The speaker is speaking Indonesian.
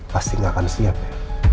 pasti nggak akan siap ya